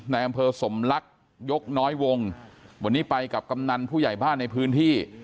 ในอำเภอสมลักษ์ยกน้อยวงวันนี้ไปกับกำนันผู้ใหญ่บ้านในพื้นที่